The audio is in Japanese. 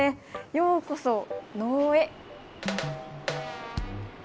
「ようこそ能生へ」。